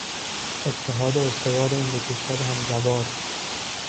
اتحاد استوار این دو کشور همجوار